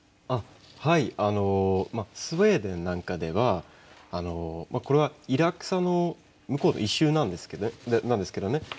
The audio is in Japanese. あっはいあのスウェーデンなんかではこれはイラクサの向こうの一種なんですけどね。